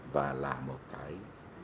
và là một cái